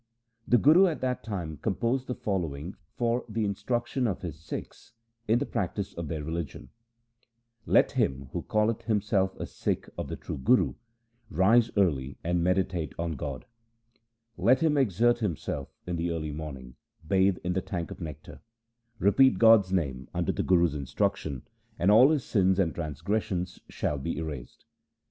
The Guru at that time composed the following for the instruction of his Sikhs in the practice of their religion :— Let him who calleth himself a Sikh of the true Guru, rise early and meditate on God ; Let him exert himself in the early morning, bathe in the tank of nectar, Repeat God's name under the Guru's instruction, and all his sins and trangressions shall be erased.